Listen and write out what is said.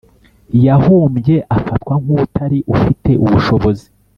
Yahombye Afatwa Nk Utari Ufite Ubushobozi